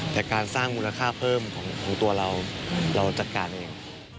แต่การสร้างมูลค่าเพิ่มของตัวเราเราจัดการเอง